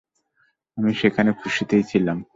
আমি সেখানে খুশিতেই ছিলাম।